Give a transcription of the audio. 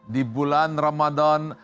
di bulan ramadan